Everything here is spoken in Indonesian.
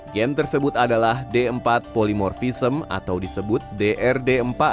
gen tersebut adalah d empat polimorfism atau disebut drd empat